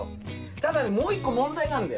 ただねもう一個問題があんだよ。